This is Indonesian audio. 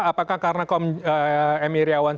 apakah karena m i iriawan